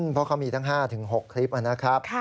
เพราะเขามีตั้ง๕๖คลิปนะครับ